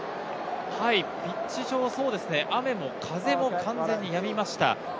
ピッチ上、雨も風も完全にやみました。